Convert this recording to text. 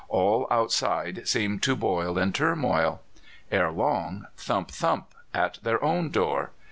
All outside seemed to boil in turmoil. Ere long, thump! thump! at their own door.